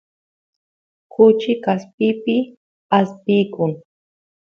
kuchi kaspipi aspiykun